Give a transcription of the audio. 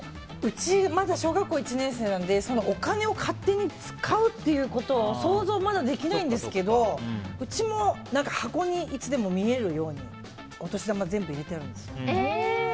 うち、まだ小学校１年生なのでお金を勝手に使うっていうことは想像がまだできないんですけどうちも箱にいつでも見えるようにお年玉全部入れてあるんですよ。